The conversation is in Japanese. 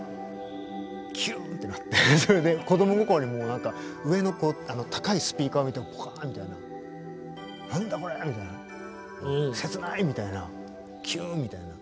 キューンってなって子供心に上の高いスピーカーを見てぽかんみたいな何だこれみたいな切ないみたいなキューンみたいな。